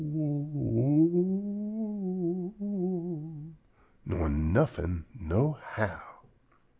nor nuffin, nohow.